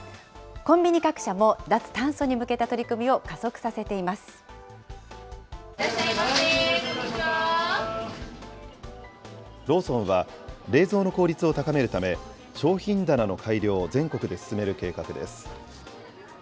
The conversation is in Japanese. コンビニ各社も脱炭素に向けた取ローソンは、冷蔵の効率を高めるため、商品棚の改良を全国で進める計画です。